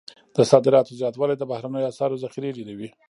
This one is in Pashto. د صادراتو زیاتوالی د بهرنیو اسعارو ذخیرې ډیروي.